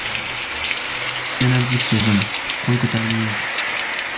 — Sof leytenantlik so‘zim, qo‘l ko‘targanim yo‘q!